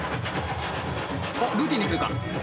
おっルーティーンで来るか？